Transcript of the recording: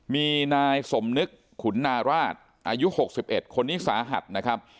มีนายสมนึกขุนนาราชอายุ๖๑คนนี้สาหัสนะครับ